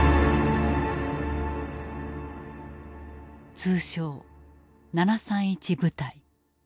通称７３１部隊。